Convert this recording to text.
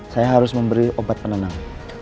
saya harus memberi obat penenang